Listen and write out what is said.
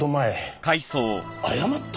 謝った？